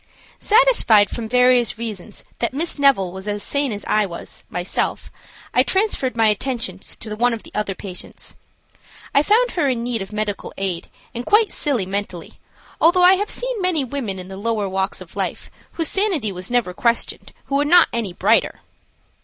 Satisfied from various reasons that Miss Neville was as sane as I was myself, I transferred my attentions to one of the other patients. I found her in need of medical aid and quite silly mentally, although I have seen many women in the lower walks of life, whose sanity was never questioned, who were not any brighter.